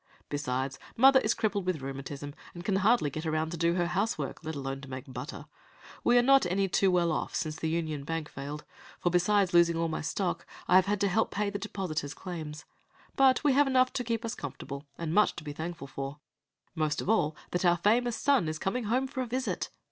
Besides, mother is crippled with rheumatism, and can hardly get around to do her housework, let alone to make butter. We are not any too well off since the Union Bank failed; for, besides losing all my stock, I have had to help pay the depositors' claims. But we have enough to keep us comfortable, and much to be thankful for, most of all that our famous son is coming home for a visit.